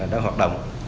đang hoạt động